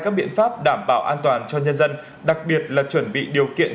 các biện pháp đảm bảo an toàn cho nhân dân đặc biệt là chuẩn bị điều kiện